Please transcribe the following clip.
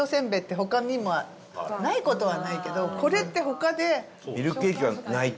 ない事はないけどこれって他で。